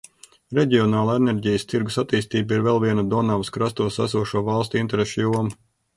Reģionāla enerģijas tirgus attīstība ir vēl viena Donavas krastos esošo valstu interešu joma.